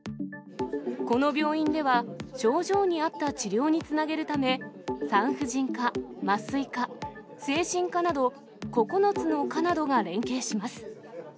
この病院では、症状に合った治療につなげるため、産婦人科、麻酔科、精神科など、９つの科などが連携します。